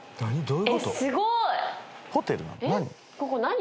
何？